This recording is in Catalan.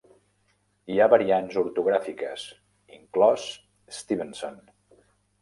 Hi ha variants ortogràfiques, inclòs Stevenson.